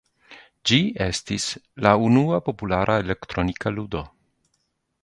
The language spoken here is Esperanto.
Ĝi estis la unua populara elektronika ludo.